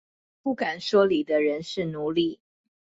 不敢說理的人是奴隸